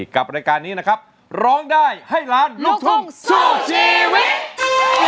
กับรายการนี้นะครับร้องได้ให้ล้านลูกทุ่งสู้ชีวิต